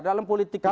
dalam politik itu pak